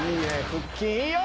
腹筋いいよ！